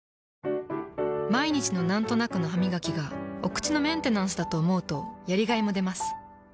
毎日のなんとなくのハミガキがお口のメンテナンスだと思うとやりがいもでます。